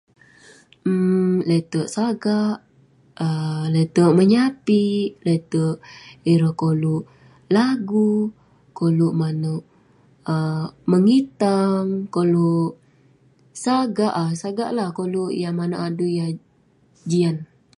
um leterk sagak, leterk menyapik, leterk ireh koluk lagu, koluk manouk um mengitang, koluk sagak um sagak lah. Koluk yah manouk adui yah jian.